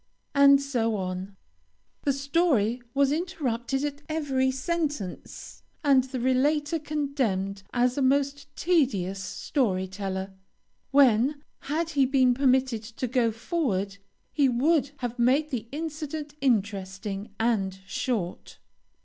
and so on. The story was interrupted at every sentence, and the relator condemned as a most tedious story teller, when, had he been permitted to go forward, he would have made the incident interesting and short.